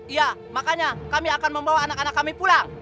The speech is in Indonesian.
iya makanya kami akan membawa anak anak kami pulang